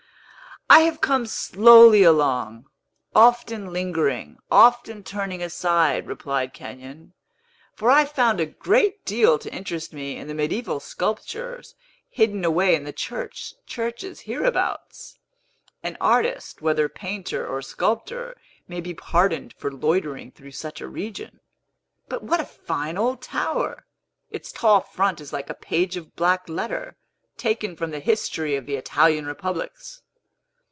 "I have come slowly along, often lingering, often turning aside," replied Kenyon; "for I found a great deal to interest me in the mediaeval sculpture hidden away in the churches hereabouts. An artist, whether painter or sculptor, may be pardoned for loitering through such a region. But what a fine old tower! Its tall front is like a page of black letter, taken from the history of the Italian republics."